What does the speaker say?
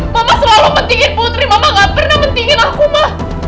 mama selalu pentingin putri mama gak pernah mendingin aku mah